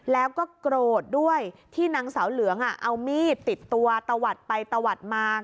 แล้วก็โกรธด้วยที่นางสาวเหลืองเอามีดติดตัวตะวัดไปตะวัดมา